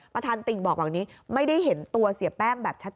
ประธานติ่งบอกวันนี้ไม่ได้เห็นตัวเสียแป้งแบบชัด